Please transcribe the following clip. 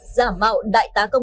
giả mạo đại tá công